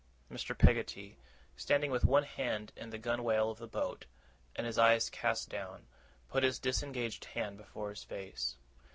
Mr. Peggotty, standing with one hand on the gunwale of the boat, and his eyes cast down, put his disengaged hand before his face.